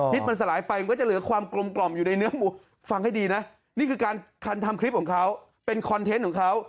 มันสลายไปมันก็จะเหลือความกลมกล่อมอยู่ในเนื้อหมูฟังให้ดีนะนี่คือการคันทำคลิปของเขาเป็นคอนเทนต์ของเขา